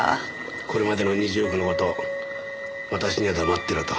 これまでの２０億の事を私には黙っていろと。